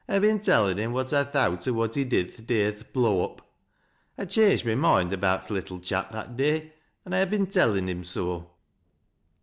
" 1 ha' ben tellin' him what I thowt o' what he did th' day o' th' blow up. I changed my moind about th' little chap that day, an' I ha' ben tellin' him so."